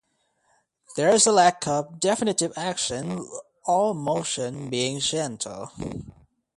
There is a lack of definitive action, all motion being gentle.